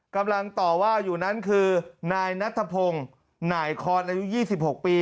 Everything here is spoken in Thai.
กำลังตอบว่าอยู่นั้นคือนายนัทธพงศ์หน่ายคอร์ดอายุยี่สิบหกปี